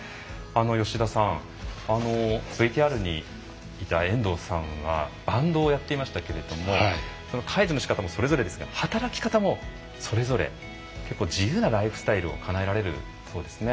吉田さんＶＴＲにいた遠藤さんはバンドをやっていましたけれども介助のしかたもそれぞれですが働き方もそれぞれ結構自由なライフスタイルをかなえられるそうですね。